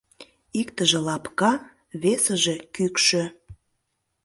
Иктыже лапка, весыже кӱкшӧ.